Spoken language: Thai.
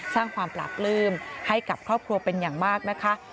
สร้างความปราบปลื้มให้กับครอบครัวเป็นอย่างมากนะคะ